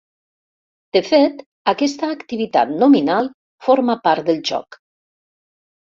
De fet, aquesta activitat nominal forma part del joc.